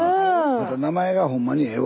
また名前がほんまにええわ。